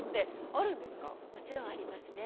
もちろんありますね。